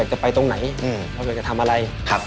ครับ